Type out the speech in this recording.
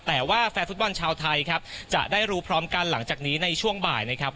แต่ว่าแฟนฟุตบอลชาวไทยครับจะได้รู้พร้อมกันหลังจากนี้ในช่วงบ่ายนะครับ